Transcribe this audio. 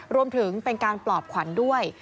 รวมถึงเป็นการปลอบขวัญด้วย